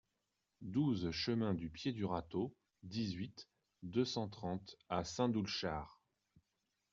douze chemin du Pied du Râteau, dix-huit, deux cent trente à Saint-Doulchard